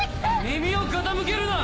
耳を傾けるな！